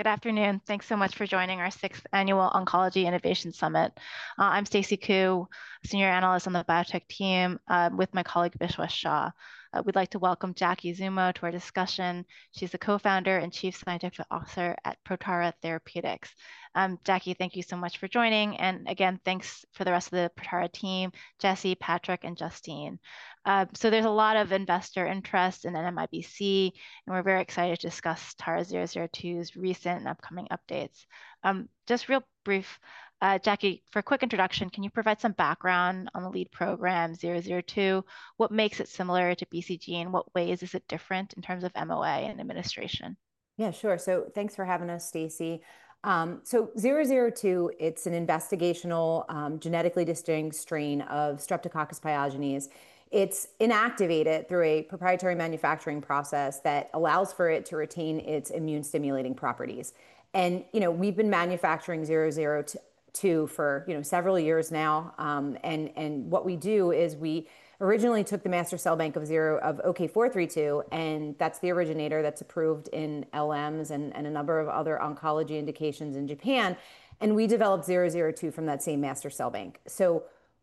Okay. Good afternoon. Thanks so much for joining our 6th Annual Oncology Innovation Summit. I'm Stacy Ku, Senior Analyst on the biotech team, with my colleague Vishwa Shah. We'd like to welcome Jackie Zummo to our discussion. She's the Co-founder and Chief Scientific Officer at Protara Therapeutics. Jackie, thank you so much for joining. Thanks for the rest of the Protara team, Jesse, Patrick, and Justine. There's a lot of investor interest in NMIBC, and we're very excited to discuss TARA-002's recent and upcoming updates. Just real brief, Jackie, for a quick introduction, can you provide some background on the lead program 002? What makes it similar to BCG, and in what ways is it different in terms of MOA and administration? Yeah, sure. Thanks for having us, Stacy. 002, it's an investigational genetically distinct strain of Streptococcus pyogenes. It's inactivated through a proprietary manufacturing process that allows for it to retain its immune-stimulating properties. You know, we've been manufacturing 002 for several years now. What we do is we originally took the master cell bank of OK-432, and that's the originator that's approved in LMs and a number of other oncology indications in Japan. We developed 002 from that same master cell bank.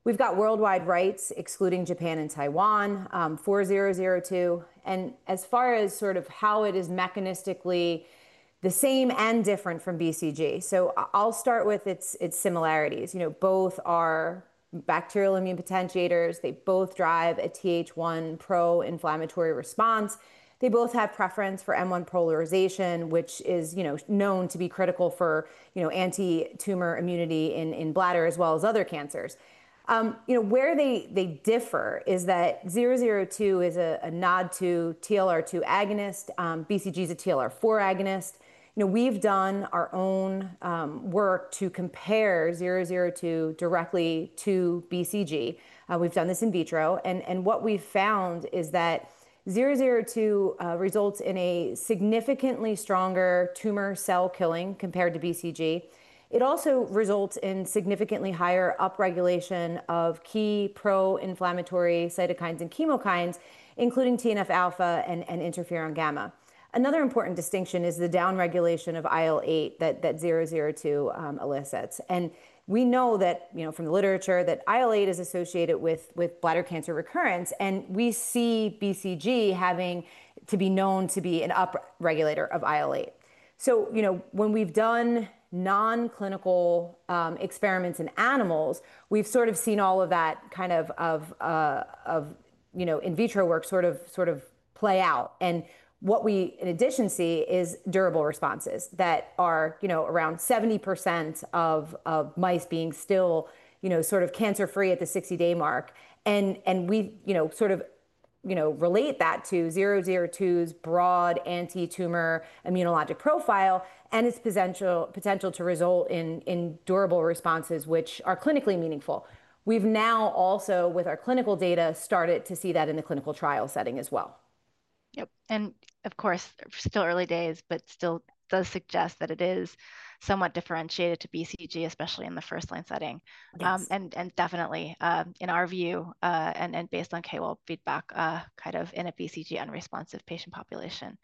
We've got worldwide rights, excluding Japan and Taiwan, for 002. As far as sort of how it is mechanistically the same and different from BCG, I'll start with its similarities. Both are bacterial immune potentiators. They both drive a Th1 pro-inflammatory response. They both have preference for M1 polarization, which is known to be critical for anti-tumor immunity in bladder as well as other cancers. Where they differ is that 002 is a NOD2/TLR2 agonist. BCG is a TLR4 agonist. We've done our own work to compare 002 directly to BCG. We've done this in vitro. What we've found is that 002 results in a significantly stronger tumor cell killing compared to BCG. It also results in significantly higher upregulation of key pro-inflammatory cytokines and chemokines, including TNF alpha and interferon gamma. Another important distinction is the downregulation of IL-8 that 002 elicits. We know from the literature that IL-8 is associated with bladder cancer recurrence. We see BCG having to be known to be an upregulator of IL-8. When we've done nonclinical experiments in animals, we've sort of seen all of that kind of in vitro work sort of play out. What we, in addition, see is durable responses that are around 70% of mice being still sort of cancer-free at the 60-day mark. We sort of relate that to 002's broad anti-tumor immunologic profile and its potential to result in durable responses, which are clinically meaningful. We've now also, with our clinical data, started to see that in the clinical trial setting as well. Yep. Of course, still early days, but still does suggest that it is somewhat differentiated to BCG, especially in the first-line setting. Definitely, in our view and based on KWOL feedback, kind of in a BCG-unresponsive patient population.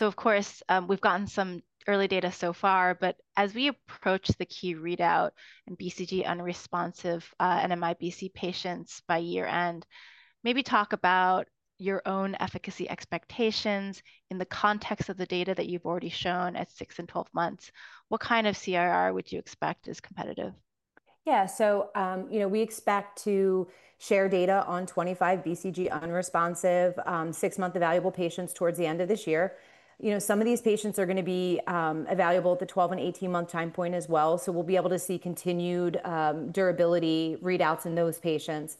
Of course, we've gotten some early data so far. As we approach the key readout in BCG-unresponsive NMIBC patients by year-end, maybe talk about your own efficacy expectations in the context of the data that you've already shown at 6 and 12 months. What kind of CRR would you expect is competitive? Yeah. We expect to share data on 25 BCG-unresponsive 6-month evaluable patients towards the end of this year. Some of these patients are going to be evaluable at the 12 and 18-month time point as well. We will be able to see continued durability readouts in those patients.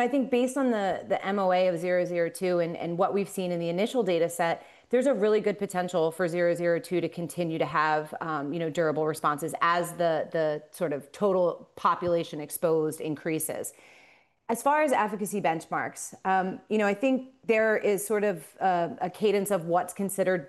I think based on the MOA of 002 and what we have seen in the initial data set, there is a really good potential for 002 to continue to have durable responses as the sort of total population exposed increases. As far as efficacy benchmarks, I think there is sort of a cadence of what is considered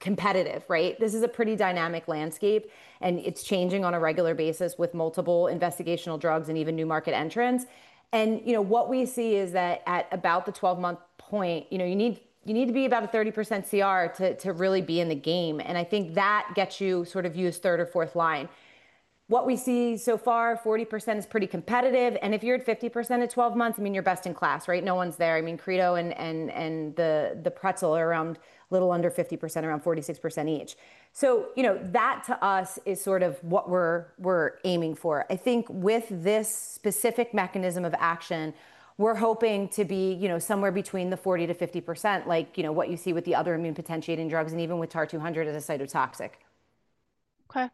competitive. This is a pretty dynamic landscape. It is changing on a regular basis with multiple investigational drugs and even new market entrants. What we see is that at about the 12-month point, you need to be about a 30% CR to really be in the game. I think that gets you sort of used third or fourth line. What we see so far, 40% is pretty competitive. If you're at 50% at 12 months, I mean, you're best in class. No one's there. I mean, Credo and the Pretzel are around a little under 50%, around 46% each. That, to us, is sort of what we're aiming for. I think with this specific mechanism of action, we're hoping to be somewhere between the 40%-50% like what you see with the other immune potentiating drugs and even with TAR-200 as a cytotoxic. Okay.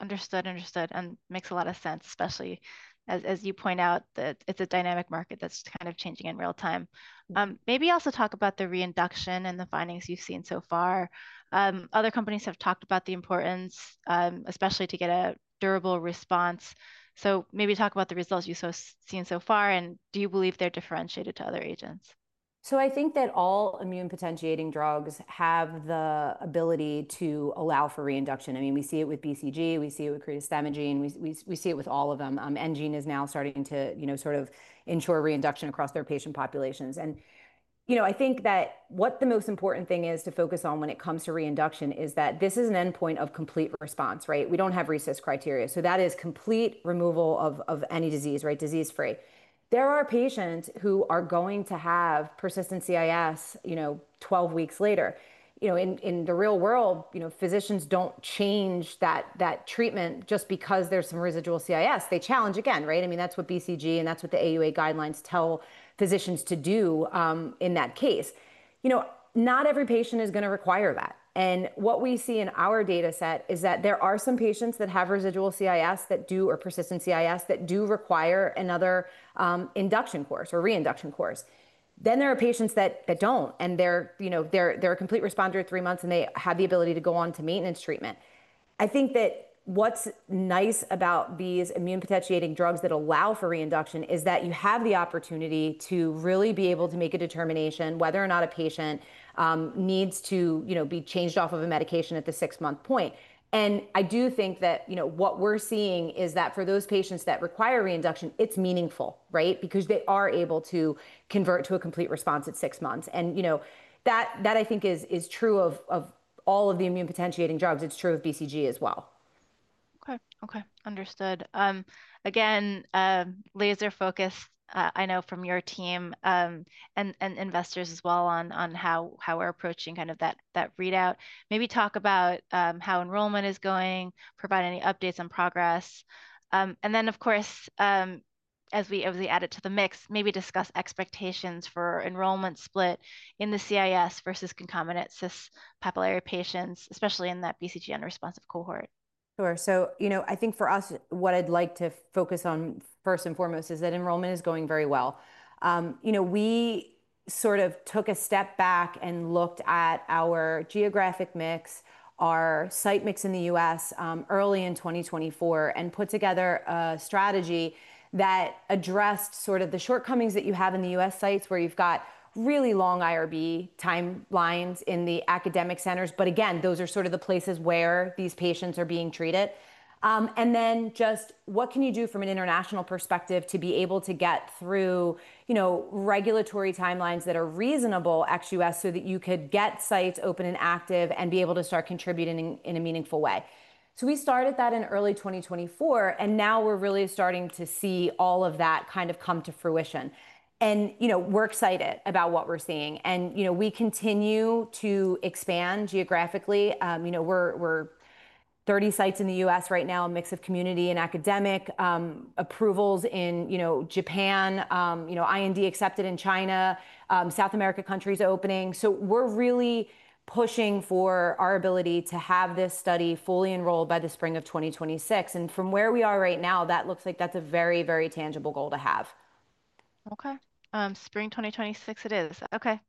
Understood, understood. That makes a lot of sense, especially as you point out that it's a dynamic market that's kind of changing in real time. Maybe also talk about the reinduction and the findings you've seen so far. Other companies have talked about the importance, especially to get a durable response. Maybe talk about the results you've seen so far. Do you believe they're differentiated to other agents? I think that all immune potentiating drugs have the ability to allow for reinduction. I mean, we see it with BCG. We see it with Credo Stamagine. We see it with all of them. Engine is now starting to sort of ensure reinduction across their patient populations. I think that what the most important thing is to focus on when it comes to reinduction is that this is an endpoint of complete response. We do not have recess criteria. That is complete removal of any disease, disease-free. There are patients who are going to have persistent CIS 12 weeks later. In the real world, physicians do not change that treatment just because there is some residual CIS. They challenge again. I mean, that is what BCG and that is what the AUA guidelines tell physicians to do in that case. Not every patient is going to require that. What we see in our data set is that there are some patients that have residual CIS or persistent CIS that do require another induction course or reinduction course. There are patients that do not, and they are a complete responder at three months. They have the ability to go on to maintenance treatment. I think that what is nice about these immune potentiating drugs that allow for reinduction is that you have the opportunity to really be able to make a determination whether or not a patient needs to be changed off of a medication at the 6-month point. I do think that what we are seeing is that for those patients that require reinduction, it is meaningful because they are able to convert to a complete response at 6 months. That, I think, is true of all of the immune potentiating drugs. It's true of BCG as well. Okay, okay. Understood. Again, laser focus, I know from your team and investors as well on how we're approaching kind of that readout. Maybe talk about how enrollment is going, provide any updates on progress. Of course, as we add it to the mix, maybe discuss expectations for enrollment split in the CIS versus concomitant cyst papillary patients, especially in that BCG-unresponsive cohort. Sure. I think for us, what I'd like to focus on first and foremost is that enrollment is going very well. We sort of took a step back and looked at our geographic mix, our site mix in the U.S. early in 2024, and put together a strategy that addressed sort of the shortcomings that you have in the U.S. sites where you've got really long IRB timelines in the academic centers. Those are sort of the places where these patients are being treated. Just what can you do from an international perspective to be able to get through regulatory timelines that are reasonable XUS so that you could get sites open and active and be able to start contributing in a meaningful way? We started that in early 2024. Now we're really starting to see all of that kind of come to fruition. We're excited about what we're seeing. We continue to expand geographically. We're 30 sites in the U.S. right now, a mix of community and academic approvals in Japan, IND accepted in China, South America countries opening. We're really pushing for our ability to have this study fully enrolled by the spring of 2026. From where we are right now, that looks like that's a very, very tangible goal to have. Okay. Spring 2026 it is. Okay.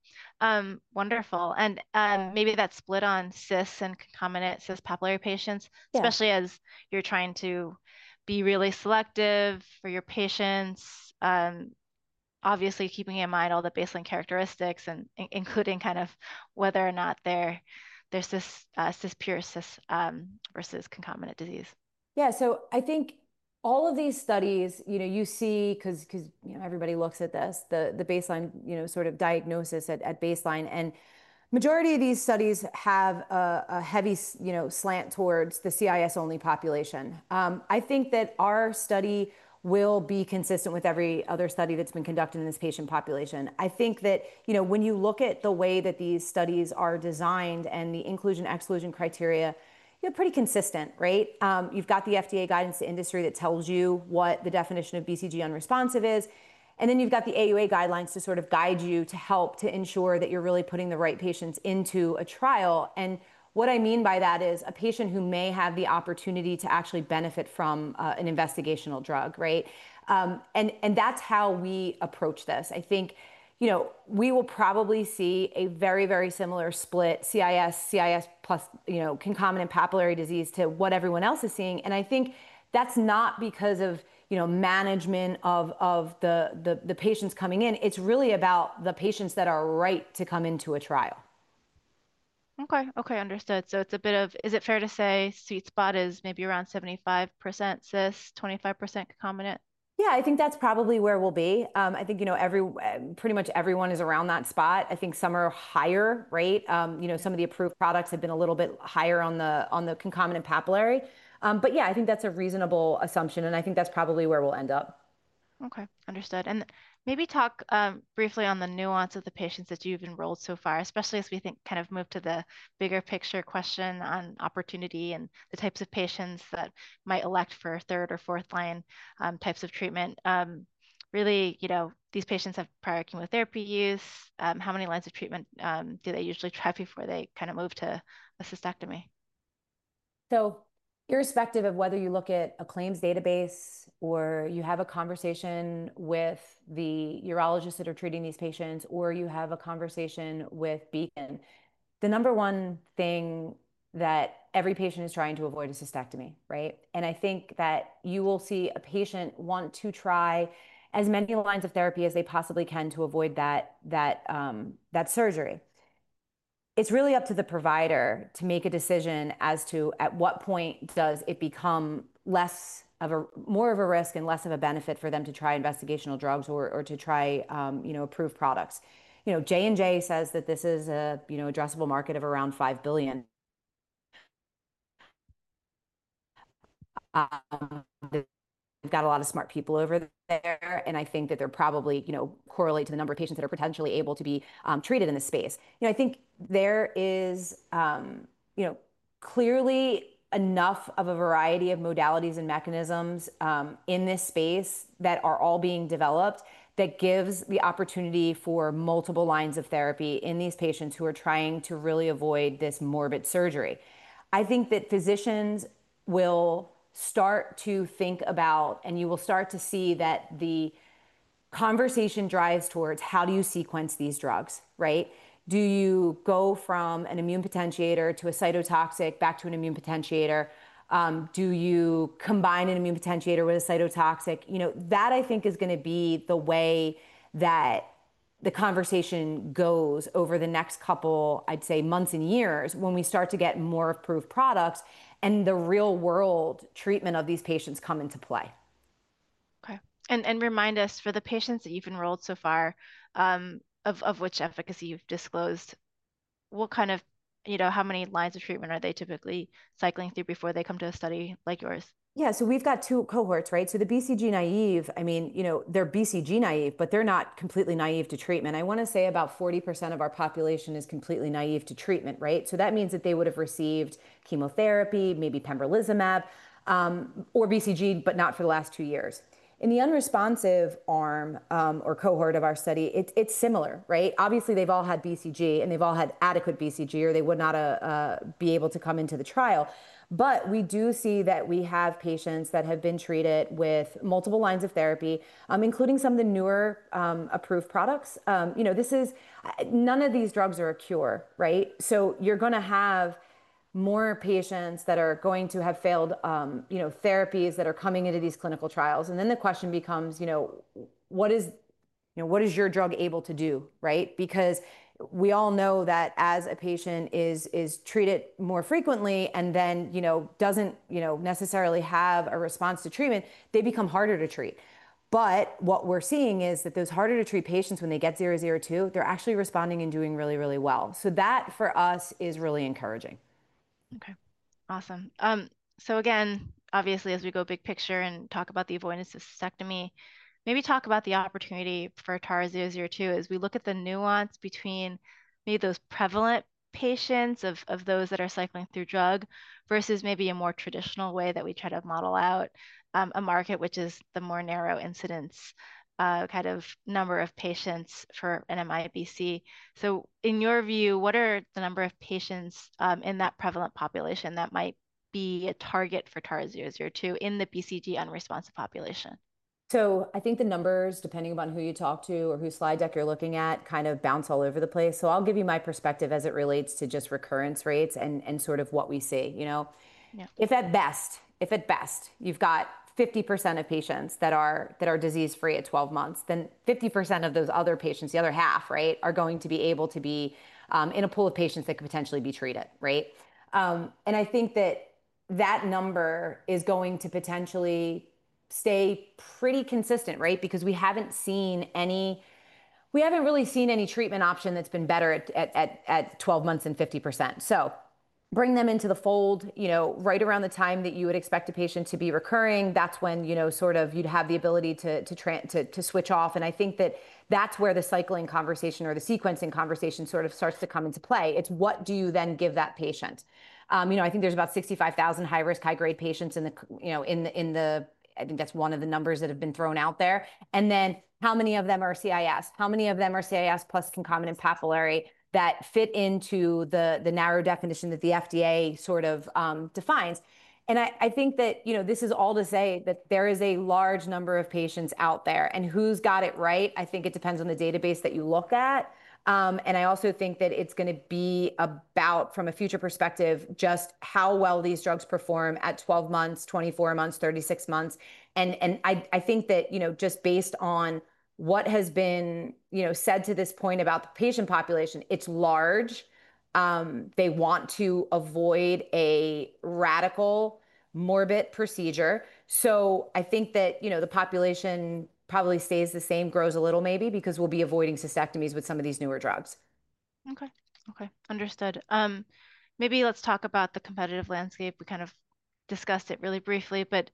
Wonderful. Maybe that split on CIS and concomitant CIS papillary patients, especially as you're trying to be really selective for your patients, obviously keeping in mind all the baseline characteristics, including kind of whether or not they're CIS pure versus concomitant disease. Yeah. I think all of these studies you see because everybody looks at this, the baseline sort of diagnosis at baseline. The majority of these studies have a heavy slant towards the CIS-only population. I think that our study will be consistent with every other study that's been conducted in this patient population. I think that when you look at the way that these studies are designed and the inclusion exclusion criteria, you're pretty consistent. You've got the FDA guidance to industry that tells you what the definition of BCG-unresponsive is. Then you've got the AUA guidelines to sort of guide you to help to ensure that you're really putting the right patients into a trial. What I mean by that is a patient who may have the opportunity to actually benefit from an investigational drug. That's how we approach this. I think we will probably see a very, very similar split CIS, CIS plus concomitant papillary disease to what everyone else is seeing. I think that's not because of management of the patients coming in. It's really about the patients that are right to come into a trial. Okay, okay. Understood. So it's a bit of is it fair to say sweet spot is maybe around 75% cyst, 25% concomitant? Yeah. I think that's probably where we'll be. I think pretty much everyone is around that spot. I think some are higher. Some of the approved products have been a little bit higher on the concomitant papillary. Yeah, I think that's a reasonable assumption. I think that's probably where we'll end up. Okay. Understood. Maybe talk briefly on the nuance of the patients that you've enrolled so far, especially as we think kind of move to the bigger picture question on opportunity and the types of patients that might elect for third or fourth line types of treatment. Really, these patients have prior chemotherapy use. How many lines of treatment do they usually try before they kind of move to a cystectomy? Irrespective of whether you look at a claims database or you have a conversation with the urologists that are treating these patients or you have a conversation with Beacon, the number one thing that every patient is trying to avoid is cystectomy. I think that you will see a patient want to try as many lines of therapy as they possibly can to avoid that surgery. It's really up to the provider to make a decision as to at what point does it become more of a risk and less of a benefit for them to try investigational drugs or to try approved products. Johnson & Johnson says that this is an addressable market of around $5 billion. They've got a lot of smart people over there. I think that they're probably correlate to the number of patients that are potentially able to be treated in the space. I think there is clearly enough of a variety of modalities and mechanisms in this space that are all being developed that gives the opportunity for multiple lines of therapy in these patients who are trying to really avoid this morbid surgery. I think that physicians will start to think about and you will start to see that the conversation drives towards how do you sequence these drugs. Do you go from an immune potentiator to a cytotoxic back to an immune potentiator? Do you combine an immune potentiator with a cytotoxic? That, I think, is going to be the way that the conversation goes over the next couple, I'd say, months and years when we start to get more approved products and the real-world treatment of these patients come into play. Okay. Remind us, for the patients that you've enrolled so far of which efficacy you've disclosed, how many lines of treatment are they typically cycling through before they come to a study like yours? Yeah. So we've got two cohorts. The BCG-naive, I mean, they're BCG-naive, but they're not completely naive to treatment. I want to say about 40% of our population is completely naive to treatment. That means that they would have received chemotherapy, maybe pembrolizumab, or BCG, but not for the last two years. In the unresponsive arm or cohort of our study, it's similar. Obviously, they've all had BCG, and they've all had adequate BCG, or they would not be able to come into the trial. We do see that we have patients that have been treated with multiple lines of therapy, including some of the newer approved products. None of these drugs are a cure. You're going to have more patients that are going to have failed therapies that are coming into these clinical trials. The question becomes, what is your drug able to do? Because we all know that as a patient is treated more frequently and then does not necessarily have a response to treatment, they become harder to treat. What we are seeing is that those harder to treat patients, when they get 002, they are actually responding and doing really, really well. That, for us, is really encouraging. Okay. Awesome. Again, obviously, as we go big picture and talk about the avoidance of cystectomy, maybe talk about the opportunity for TARA-002 as we look at the nuance between maybe those prevalent patients of those that are cycling through drug versus maybe a more traditional way that we try to model out a market, which is the more narrow incidence kind of number of patients for NMIBC. In your view, what are the number of patients in that prevalent population that might be a target for TARA-002 in the BCG-unresponsive population? I think the numbers, depending upon who you talk to or whose slide deck you're looking at, kind of bounce all over the place. I'll give you my perspective as it relates to just recurrence rates and sort of what we see. If at best, you've got 50% of patients that are disease-free at 12 months, then 50% of those other patients, the other half, are going to be able to be in a pool of patients that could potentially be treated. I think that that number is going to potentially stay pretty consistent because we haven't seen any, we haven't really seen any treatment option that's been better at 12 months than 50%. Bring them into the fold right around the time that you would expect a patient to be recurring. That's when sort of you'd have the ability to switch off. I think that that's where the cycling conversation or the sequencing conversation sort of starts to come into play. It's what do you then give that patient? I think there's about 65,000 high-risk, high-grade patients in the, I think that's one of the numbers that have been thrown out there. How many of them are CIS? How many of them are CIS plus concomitant papillary that fit into the narrow definition that the FDA sort of defines? I think that this is all to say that there is a large number of patients out there. Who's got it right? I think it depends on the database that you look at. I also think that it's going to be about, from a future perspective, just how well these drugs perform at 12 months, 24 months, 36 months. I think that just based on what has been said to this point about the patient population, it's large. They want to avoid a radical, morbid procedure. I think that the population probably stays the same, grows a little maybe because we'll be avoiding cystectomies with some of these newer drugs. Okay, okay. Understood. Maybe let's talk about the competitive landscape. We kind of discussed it really briefly, but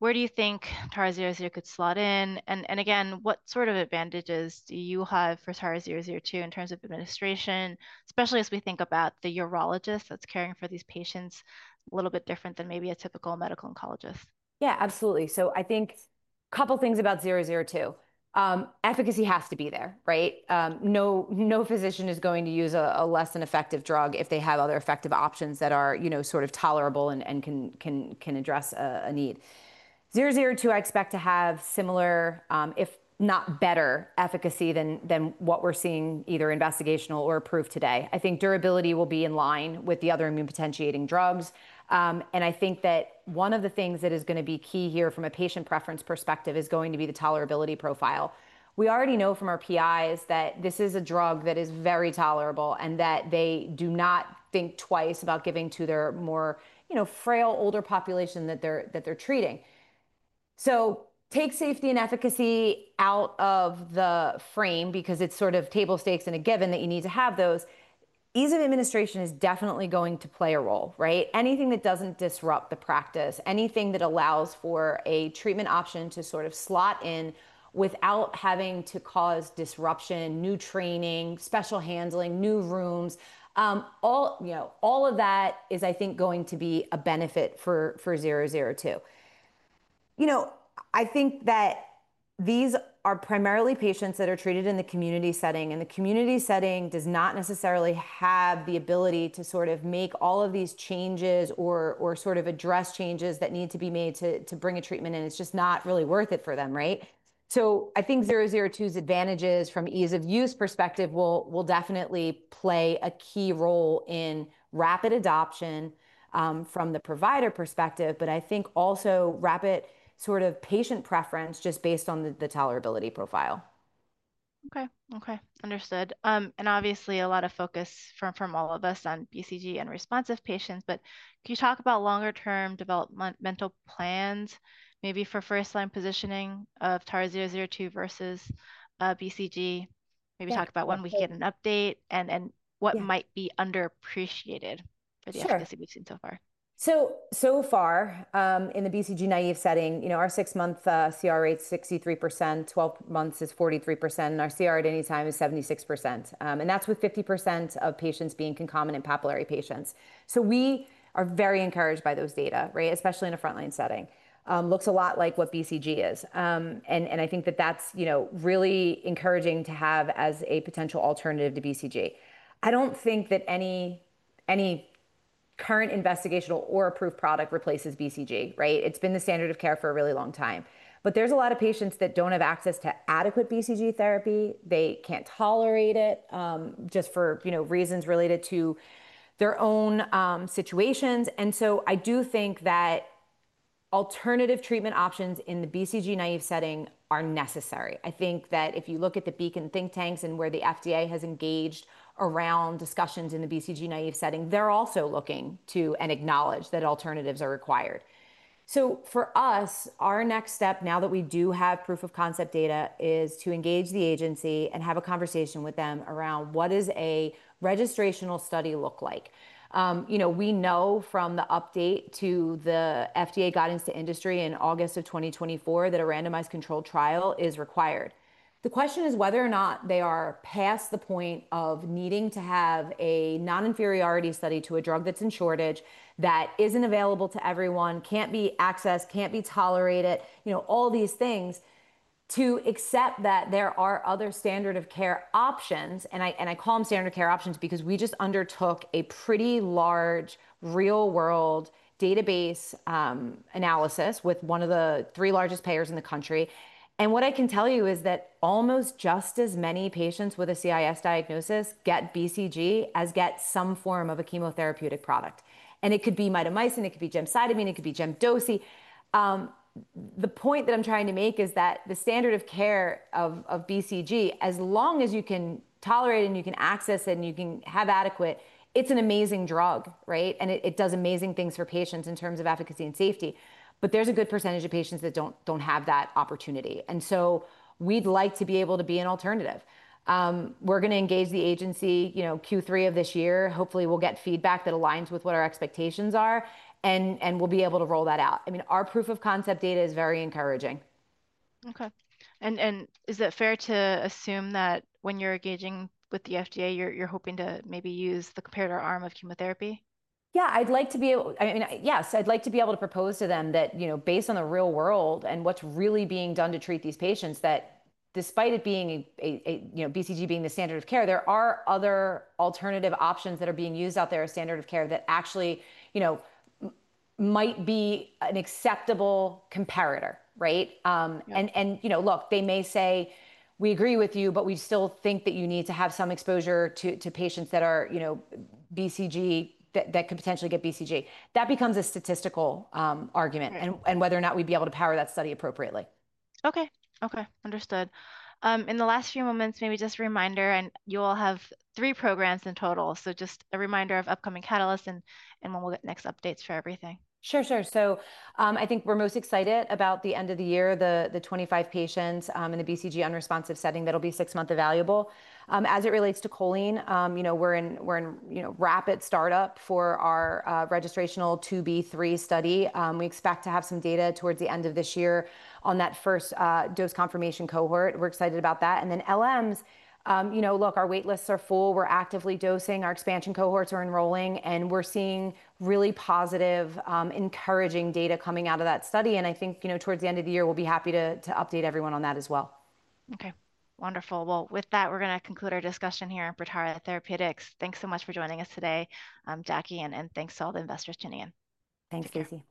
where do you think TARA-002 could slot in? And again, what sort of advantages do you have for TARA-002 in terms of administration, especially as we think about the urologist that's caring for these patients a little bit different than maybe a typical medical oncologist? Yeah, absolutely. I think a couple of things about 002. Efficacy has to be there. No physician is going to use a less than effective drug if they have other effective options that are sort of tolerable and can address a need. 002, I expect to have similar, if not better, efficacy than what we're seeing either investigational or approved today. I think durability will be in line with the other immune potentiating drugs. I think that one of the things that is going to be key here from a patient preference perspective is going to be the tolerability profile. We already know from our PIs that this is a drug that is very tolerable and that they do not think twice about giving to their more frail, older population that they're treating. Take safety and efficacy out of the frame because it's sort of table stakes and a given that you need to have those. Ease of administration is definitely going to play a role. Anything that doesn't disrupt the practice, anything that allows for a treatment option to sort of slot in without having to cause disruption, new training, special handling, new rooms, all of that is, I think, going to be a benefit for 002. I think that these are primarily patients that are treated in the community setting. The community setting does not necessarily have the ability to sort of make all of these changes or sort of address changes that need to be made to bring a treatment in. It's just not really worth it for them. I think 002's advantages from ease of use perspective will definitely play a key role in rapid adoption from the provider perspective, but I think also rapid sort of patient preference just based on the tolerability profile. Okay, okay. Understood. Obviously, a lot of focus from all of us on BCG-unresponsive patients. Can you talk about longer-term developmental plans, maybe for first-line positioning of TARA-002 versus BCG? Maybe talk about when we get an update and what might be underappreciated for the efficacy we've seen so far. So far, in the BCG-naive setting, our six-month CR rate's 63%, 12 months is 43%, and our CR at any time is 76%. That is with 50% of patients being concomitant papillary patients. We are very encouraged by those data, especially in a front-line setting. Looks a lot like what BCG is. I think that is really encouraging to have as a potential alternative to BCG. I do not think that any current investigational or approved product replaces BCG. It has been the standard of care for a really long time. There are a lot of patients that do not have access to adequate BCG therapy. They cannot tolerate it just for reasons related to their own situations. I do think that alternative treatment options in the BCG-naive setting are necessary. I think that if you look at the Beacon think tanks and where the FDA has engaged around discussions in the BCG-naive setting, they're also looking to and acknowledge that alternatives are required. For us, our next step, now that we do have proof of concept data, is to engage the agency and have a conversation with them around what does a registrational study look like. We know from the update to the FDA guidance to industry in August of 2024 that a randomized controlled trial is required. The question is whether or not they are past the point of needing to have a non-inferiority study to a drug that's in shortage, that isn't available to everyone, can't be accessed, can't be tolerated, all these things, to accept that there are other standard of care options. I call them standard of care options because we just undertook a pretty large real-world database analysis with one of the three largest payers in the country. What I can tell you is that almost just as many patients with a CIS diagnosis get BCG as get some form of a chemotherapeutic product. It could be mitomycin. It could be gemcitabine. It could be gemdosi. The point that I'm trying to make is that the standard of care of BCG, as long as you can tolerate and you can access and you can have adequate, it's an amazing drug. It does amazing things for patients in terms of efficacy and safety. There is a good percentage of patients that do not have that opportunity. We would like to be able to be an alternative. We're going to engage the agency Q3 of this year. Hopefully, we'll get feedback that aligns with what our expectations are, and we'll be able to roll that out. I mean, our proof of concept data is very encouraging. Okay. Is it fair to assume that when you're engaging with the FDA, you're hoping to maybe use the comparator arm of chemotherapy? Yeah, I'd like to be able—I mean, yes, I'd like to be able to propose to them that based on the real world and what's really being done to treat these patients, that despite it being BCG being the standard of care, there are other alternative options that are being used out there as standard of care that actually might be an acceptable comparator. Look, they may say, "We agree with you, but we still think that you need to have some exposure to patients that are BCG that could potentially get BCG." That becomes a statistical argument and whether or not we'd be able to power that study appropriately. Okay, okay. Understood. In the last few moments, maybe just a reminder, and you all have three programs in total. So just a reminder of upcoming catalysts and when we'll get next updates for everything. Sure, sure. I think we're most excited about the end of the year, the 25 patients in the BCG-unresponsive setting that'll be six months available. As it relates to choline, we're in rapid startup for our registrational 2B3 study. We expect to have some data towards the end of this year on that first dose confirmation cohort. We're excited about that. LMs, look, our wait lists are full. We're actively dosing. Our expansion cohorts are enrolling. We're seeing really positive, encouraging data coming out of that study. I think towards the end of the year, we'll be happy to update everyone on that as well. Okay. Wonderful. With that, we're going to conclude our discussion here at Protara Therapeutics. Thanks so much for joining us today, Jackie, and thanks to all the investors, Jennie Ann. Thanks, Casey.